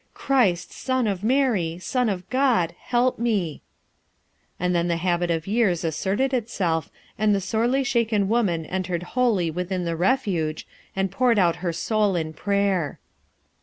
Christ, son of Mary, son of God, help me I" And then the habit of years asserted itself and the sorely shaken woman entered wholly within the refuge and poured out her soul in prayer.